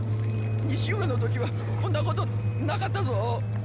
西浦の時はこんなことなかったぞ！